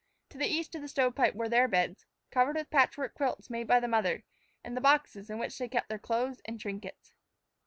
To the east of the stovepipe were their beds, covered with patchwork quilts made by the mother, and the boxes in which they kept their clothes and trinkets.